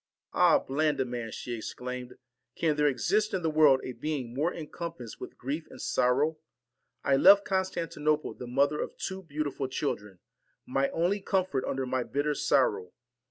' Ah, Blandiman !' ORSON she exclaimed, 'can there exist in the world a being more encompassed with grief and sorrow? I left Constantinople the mother of two beautiful children, my only comfort under my bitter sorrow.